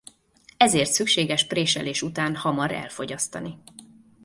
Ezért szükséges préselés után hamar elfogyasztani.